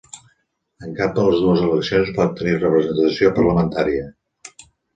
En cap de les dues eleccions va obtenir representació parlamentària.